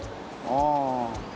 ああ。